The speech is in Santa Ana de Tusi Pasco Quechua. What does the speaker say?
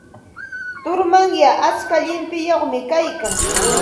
Turumanyay atska llimpiyuqmi kaykan.